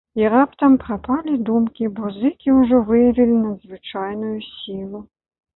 І раптам прапалі думкі, бо зыкі ўжо выявілі надзвычайную сілу.